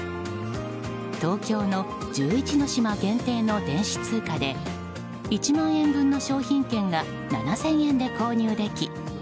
東京の１１の島限定の電子通貨で１万円分の商品券が７０００円で購入でき